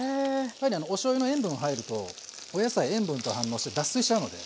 やはりおしょうゆの塩分が入るとお野菜塩分と反応して脱水しちゃうので。